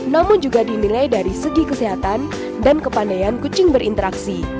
namun juga dinilai dari segi kesehatan dan kepandaian kucing berinteraksi